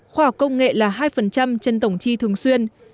khoa học công nghệ là hai trên tổng chi thường xuyên